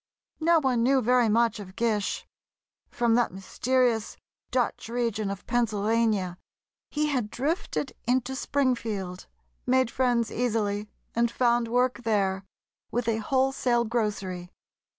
No one knew very much of Gish. From that mysterious "Dutch" region of Pennsylvania, he had drifted into Springfield, made friends easily, and found work there, with a wholesale grocery.